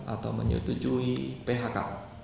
atau menyetujui phk